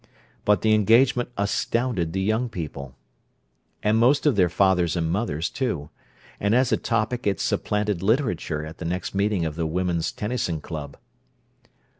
But the engagement astounded the young people, and most of their fathers and mothers, too; and as a topic it supplanted literature at the next meeting of the "Women's Tennyson Club."